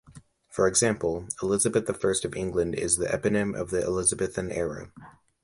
For example, Elizabeth the First of England is the eponym of the Elizabethan era.